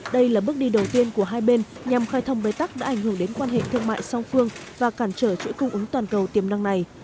đây là bước đi đầu tiên của hai bên nhằm khai thông bế tắc đã ảnh hưởng đến quan hệ thương mại song phương và cản trở chuỗi cung ứng toàn cầu tiềm năng này